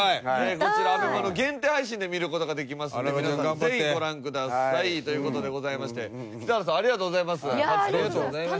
こちらＡＢＥＭＡの限定配信で見る事ができますので皆さんぜひご覧ください。という事でございまして北原さんありがとうございます。